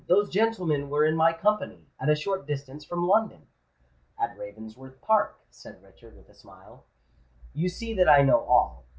"Those gentlemen were in my company—at a short distance from London——" "At Ravensworth Park," said Richard, with a smile. "You see that I know all.